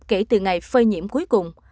kể từ ngày phơi nhiễm cuối cùng